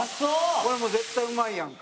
これもう絶対うまいやんか。